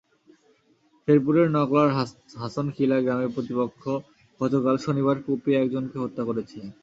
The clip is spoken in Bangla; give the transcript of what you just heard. শেরপুরের নকলার হাসনখিলা গ্রামে প্রতিপক্ষ গতকাল শনিবার কুপিয়ে একজনকে হত্যা করেছে।